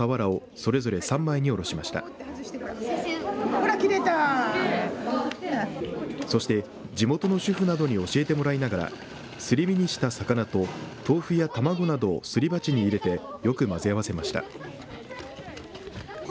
そして地元の主婦などに教えてもらいながらすり身にした魚と豆腐や卵などをすり鉢に入れてよく混ぜ合わせました。